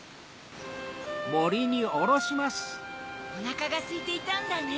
おなかがすいていたんだね